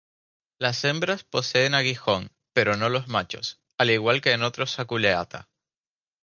Las hembras poseen aguijón, pero no los machos, al igual que en otros Aculeata.